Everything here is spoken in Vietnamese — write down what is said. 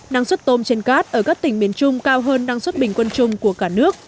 năng suất tôm trên cát ở các tỉnh miền trung cao hơn năng suất bình quân chung của cả nước